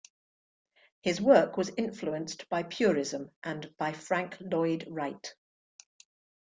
His work was influenced by purism and by Frank Lloyd Wright.